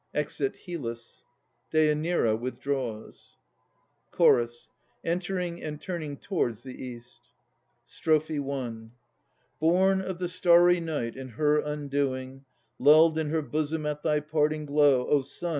[Exit HYLLUS. DÊANIRA withdraws CHORUS (entering and turning towards the East). Born of the starry night in her undoing, I 1 Lulled in her bosom at thy parting glow, O Sun!